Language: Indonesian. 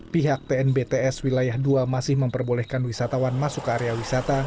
pihak tnbts wilayah dua masih memperbolehkan wisatawan masuk ke area wisata